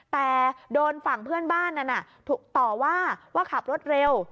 แต่โดนฝั่งเพื่อนบ้านนั้นต่อว่าว่าขับรถเร็ว